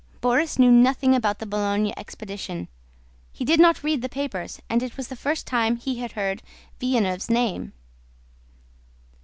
Borís knew nothing about the Boulogne expedition; he did not read the papers and it was the first time he had heard Villeneuve's name.